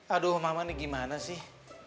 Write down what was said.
aduh mama ini gimana sih